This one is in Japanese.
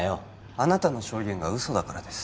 あなたの証言が嘘だからです